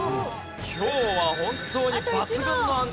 今日は本当に抜群の安定感！